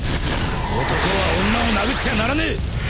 男は女を殴っちゃならねえ！